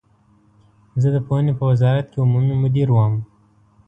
زه د پوهنې په وزارت کې عمومي مدیر وم.